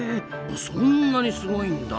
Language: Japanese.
そんなにすごいんだ！